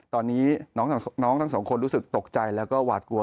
ตอนนี้น้องทั้งสองคนรู้สึกตกใจแล้วก็หวาดกลัว